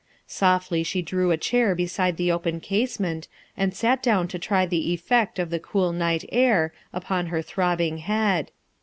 Softly she drew a chair beside the open casement and sat down to try the effect of the cool night air upon her throbbing bead.